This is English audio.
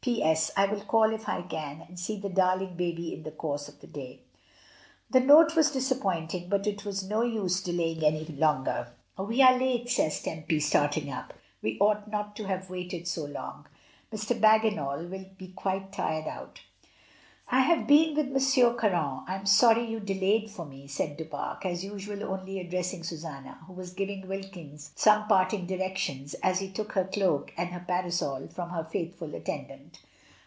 "P.S. — I will call if I can, and see the darling baby in the course of the day.'* The note was disappointing, but it was no use delaying any longer. "We are late," says Tempy, starting up. "We ought not to have waited so long. Mr. Bagginal will be quite tired out.*' "I have been with M. Caron. I am sorry you delayed for me," said Du Pare, as usual only address ing Susanna, who was giving Wilkins some parting directions as she took her cloak and her parasol from her faithful attendant.